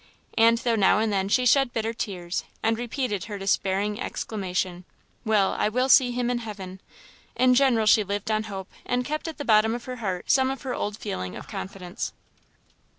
And though now and then she shed bitter tears, and repeated her despairing exclamation, "Well! I will see him in heaven!" in general she lived on hope, and kept at the bottom of her heart some of her old feeling of confidence.